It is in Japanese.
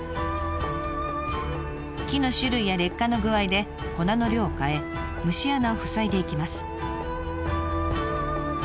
木の種類や劣化の具合で粉の量を変え虫穴を塞いでいきます。